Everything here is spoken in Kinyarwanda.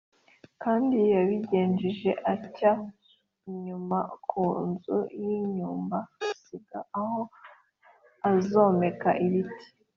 Kandi yabigenjeje atya: inyuma ku nzu y’inyumba asiga aho azomeka ibiti